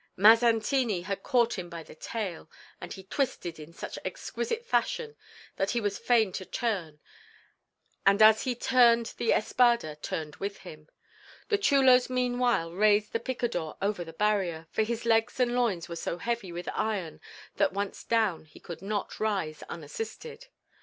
Mazzantini had caught him by the tail, which he twisted in such exquisite fashion that he was fain to turn, and as he turned the espada turned with him. The chulos meanwhile raised the picador over the barrier, for his legs and loins were so heavy with iron that once down he could not rise unassisted.